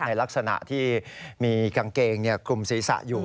ในลักษณะที่มีกางเกงคลุมศีรษะอยู่